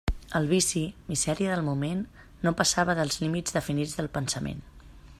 El vici —misèria del moment— no passava dels límits definits del pensament.